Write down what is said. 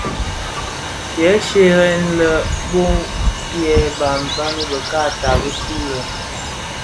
Kè shyeren lè bō yè banbani bë kaata bë zi bisulè.